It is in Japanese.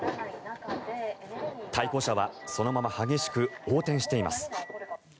対向車はそのまま激しく横転しています。